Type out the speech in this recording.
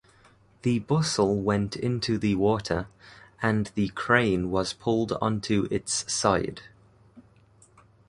The bustle went into the water, and the crane was pulled onto its side.